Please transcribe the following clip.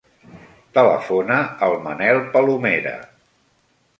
Telefona al Manel Palomera.